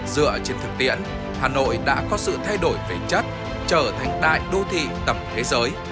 dựa trên thực tiễn hà nội đã có sự thay đổi về chất trở thành đại đô thị tầm thế giới